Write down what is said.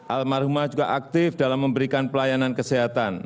almarhumah juga aktif dalam memberikan pelayanan kesehatan